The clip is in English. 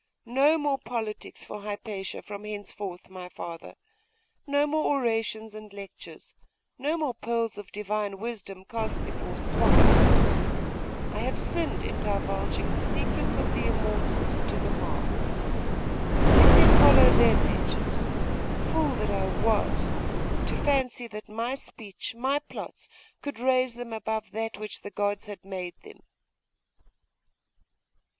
No more politics for Hypatia from henceforth, my father; no more orations and lectures; no more pearls of Divine wisdom cast before swine. I have sinned in divulging the secrets of the Immortals to the mob. Let them follow their natures! Fool that I was, to fancy that my speech, my plots, could raise them above that which the gods had made them!